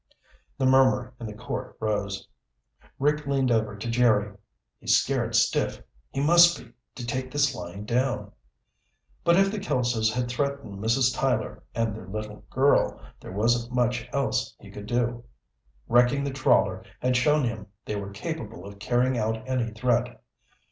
The murmur in the court rose. Rick leaned over to Jerry. "He's scared stiff. He must be, to take this lying down." But if the Kelsos had threatened Mrs. Tyler and their little girl, there wasn't much else he could do. Wrecking the trawler had shown him they were capable of carrying out any threat.